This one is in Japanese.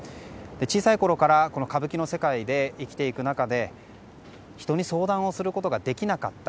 小さいころから歌舞伎の世界で生きていく中で人に相談をすることができなかった。